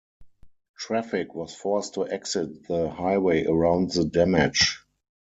Traffic was forced to exit the highway around the damage.